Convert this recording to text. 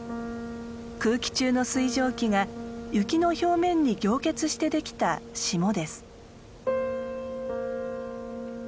空気中の水蒸気が雪の表面に凝結してできた霜です。